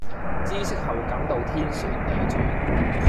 知悉後感到天旋地轉